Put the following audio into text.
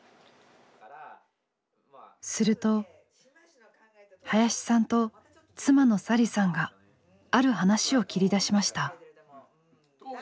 すると林さんと妻の佐理さんがある話を切り出しました。